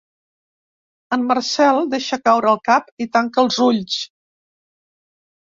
El Marcel deixa caure el cap i tanca els ulls.